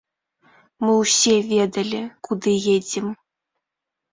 Мы ўсе ведалі, куды едзем.